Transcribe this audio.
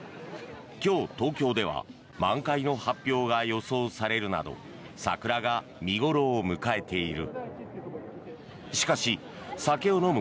今日、東京では満開の発表が予想されるなど桜が見頃を迎えている。